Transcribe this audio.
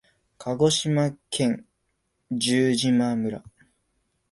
鹿児島県十島村